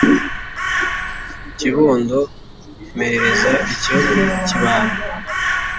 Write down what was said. Kibondo mpereza icyo kibando